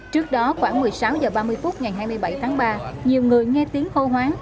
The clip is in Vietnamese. trước đó khoảng một mươi sáu h ba mươi phút ngày hai mươi bảy tháng ba nhiều người nghe tiếng hô hoáng